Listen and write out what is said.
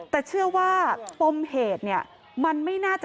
แต่เชื่อว่าปมเหตุมันไม่น่าจะใช้